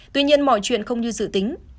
tuy nhiên mọi chuyện không như dự tính